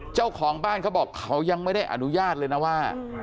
เจ้าของบ้านเขาบอกเขายังไม่ได้อนุญาตเลยนะว่า